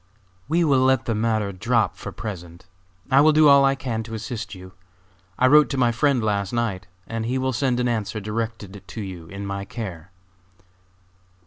"We will let the matter drop for the present. I will do all I can to assist you. I wrote to my friend last night, and he will send an answer directed to you in my care."